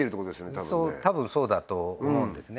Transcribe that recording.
多分ね多分そうだと思うんですね